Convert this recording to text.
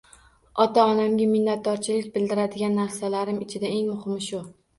Ota-onamga minnatdorchilik bildiradigan narsalarim ichida eng muhimi shu.